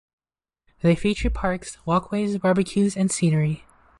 They feature parks, walkways, barbecues and scenery.